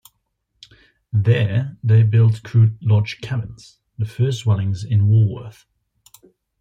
There they built crude log cabins, the first dwellings in Walworth.